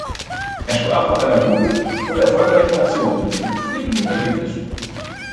Er sprach von einer guten und erfolgreichen Aktion mit befriedigenden Ergebnissen.